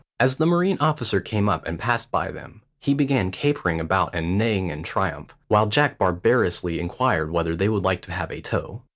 As the marine officer came up and passed by them, he began capering about and neighing in triumph, while Jack barbarously inquired whether they would like to have a tow.